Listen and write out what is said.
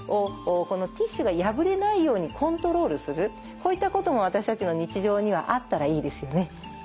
こういったことも私たちの日常にはあったらいいですよね。